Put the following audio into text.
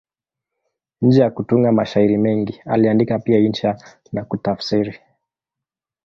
Nje ya kutunga mashairi mengi, aliandika pia insha na kutafsiri.